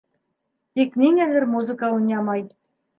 Тик ниңәлер музыка уйнамай.